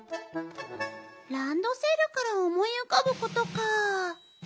らんどせるからおもいうかぶことか。